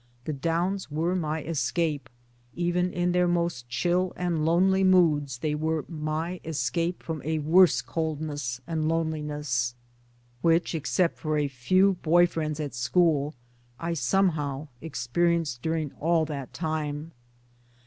The Downs were my escape ; even in their most chill and lonely moods they were my escape from a worse cold ness and loneliness, which, except for a few boy friends at school, I somehow experienced during all that time.